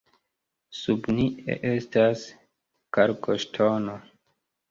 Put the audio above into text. Sub ni estas kalkoŝtono.